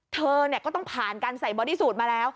เธอก็ต้องผ่านการใส่บอดี้สูตรมาแล้ว